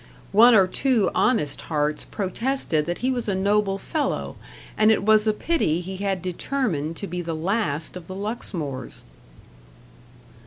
One or two honest hearts protested that he was a noble fellow, and it was a pity he had determined to be the last of the Luxmores.